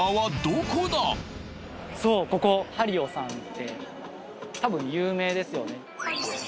そうここＨＡＲＩＯさんって多分有名ですよね